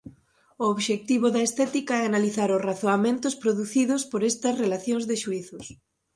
O obxectivo da estética é analizar os razoamentos producidos por estas relacións de xuízos.